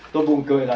tôi buồn cười là